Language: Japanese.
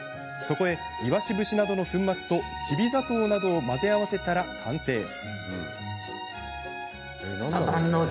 そこへ、いわし節などの粉末ときび砂糖などを混ぜ合わせたら完成。